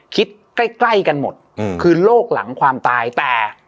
ใกล้ใกล้กันหมดคือโรคหลังความตายแต่